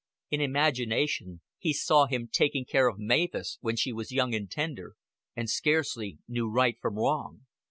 In imagination he saw him taking care of Mavis, when she was young and tender, and scarcely knew right from wrong.